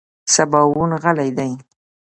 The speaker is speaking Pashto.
سباوون غلی دی .